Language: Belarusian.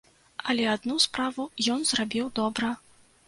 Але адну справу ён зрабіў добра.